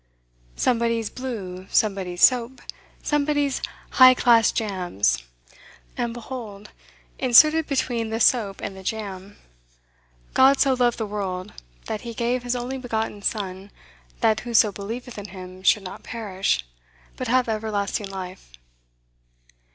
Somebody's 'Blue;' somebody's 'Soap;' somebody's 'High class Jams;' and behold, inserted between the Soap and the Jam 'God so loved the world, that He gave His only begotten Son, that whoso believeth in Him should not perish, but have everlasting life.